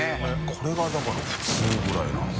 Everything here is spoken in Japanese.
海譴だから普通ぐらいなのか。